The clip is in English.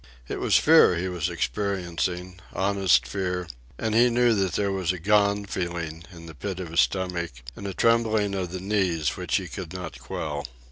It was fear he was experiencing, honest fear, and he knew that there was a "gone" feeling in the pit of his stomach, and a trembling of the knees which he could not quell.